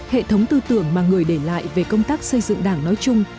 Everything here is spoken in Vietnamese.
hệ thống tư tưởng mà người để lại về công tác xây dựng đảng nói chung